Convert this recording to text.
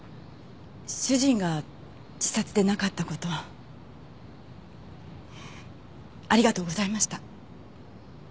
主人が自殺でなかった事ありがとうございました。